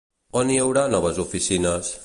On hi haurà noves oficines?